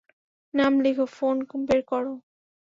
নাম লিখো, ফোন বের করো।